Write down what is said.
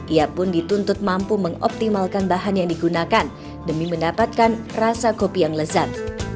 ia pun dituntut mampu mengoptimalkan bahan yang digunakan demi mendapatkan rasa kopi yang lezat